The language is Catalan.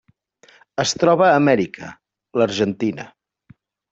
Es troba a Amèrica: l'Argentina.